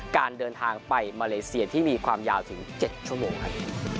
การเดินทางไปมาเลเซียที่มีความยาวถึง๗ชั่วโมงครับ